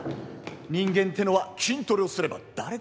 人間ってのは筋トレをすれば誰だって。